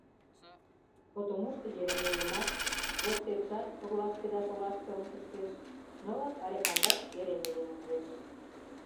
Потомушто Еремейымат, воктекшат пурлашке да шолашке ончыштеш, нылыт але кандаш Еремейым ужеш.